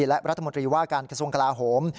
และรัฐมนตรีว่าการข้างกลาโหม